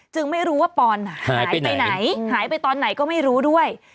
ไม่รู้ว่าปอนหายไปไหนหายไปตอนไหนก็ไม่รู้ด้วย